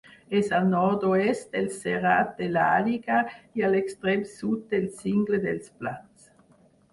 És al nord-oest del Serrat de l'Àliga i a l'extrem sud del Cingle dels Plans.